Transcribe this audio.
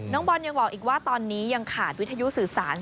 บอลยังบอกอีกว่าตอนนี้ยังขาดวิทยุสื่อสาร